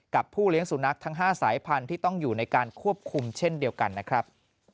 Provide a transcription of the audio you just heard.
ผู้เลี้ยงสุนัขทั้ง๕สายพันธุ์ที่ต้องอยู่ในการควบคุมเช่นเดียวกันนะครับ